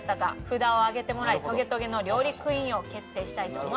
札を上げてもらい『トゲトゲ』の料理クイーンを決定したいと思います。